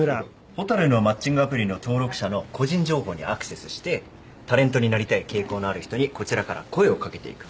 蛍のマッチングアプリの登録者の個人情報にアクセスしてタレントになりたい傾向のある人にこちらから声を掛けていく。